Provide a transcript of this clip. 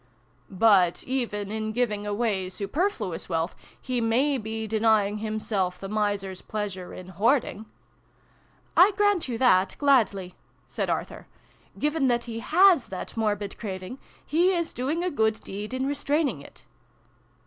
'" ill] STREAKS OF DAWN. 43 " But, even in giving away superfluous wealth, he may be denying himself the miser's pleasure in hoarding ?"" I grant you that, gladly," said Arthur. "Given that he kas that morbid craving, he is doing a good deed in restraining it."